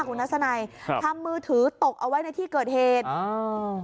คุณทัศนัยครับทำมือถือตกเอาไว้ในที่เกิดเหตุอ่า